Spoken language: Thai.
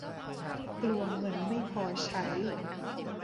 กลัวเงินไม่พอใช้